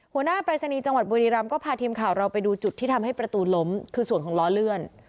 ปรายศนีย์จังหวัดบุรีรำก็พาทีมข่าวเราไปดูจุดที่ทำให้ประตูล้มคือส่วนของล้อเลื่อน